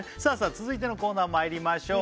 続いてのコーナーまいりましょう